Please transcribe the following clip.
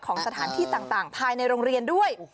สถานที่ต่างภายในโรงเรียนด้วย